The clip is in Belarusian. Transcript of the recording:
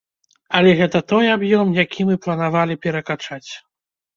Але гэта той аб'ём, які мы планавалі перакачаць.